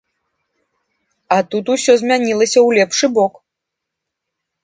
А тут усё змянілася ў лепшы бок.